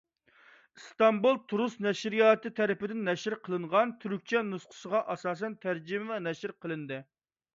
ئىستانبۇل «تۇرۇس نەشرىياتى» تەرىپىدىن نەشر قىلىنغان تۈركچە نۇسخىسىغا ئاساسەن تەرجىمە ۋە نەشر قىلىندى.